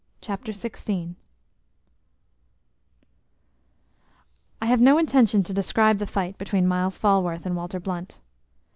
CHAPTER 16 I have no intention to describe the fight between Myles Falworth and Walter Blunt.